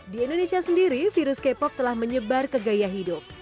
di indonesia sendiri virus k pop telah menyebar ke gaya hidup